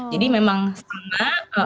jadi memang sama